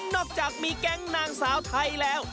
อกจากมีแก๊งนางสาวไทยแล้ว